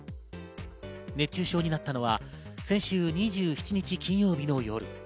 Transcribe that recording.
熱中症になったのは先週２７日、金曜日の夜。